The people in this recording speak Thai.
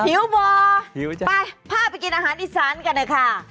หิวบอร์ไปพ่อไปกินอาหารดีซ้านกันเหรอคะ